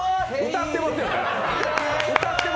歌ってますよね。